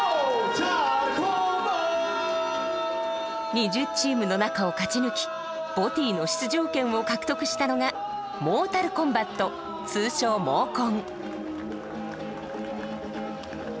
２０チームの中を勝ち抜きＢＯＴＹの出場権を獲得したのがモータルコンバット通称モーコン。